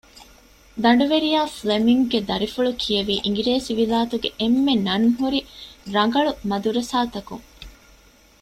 ދަނޑުވެރިޔާ ފްލެމިންގ ގެ ދަރިފުޅު ކިޔެވީ އިނގިރޭސިވިލާތުގެ އެންމެ ނަން ހުރި ރަނގަޅު މަދުރަސާތަކުން